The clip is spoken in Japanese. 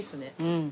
うん。